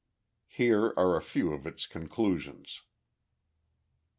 Here are a few of its conclusions: 1.